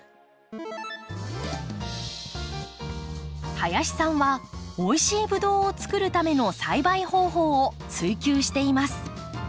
林さんはおいしいブドウをつくるための栽培方法を追究しています。